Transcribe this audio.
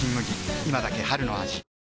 今だけ春の味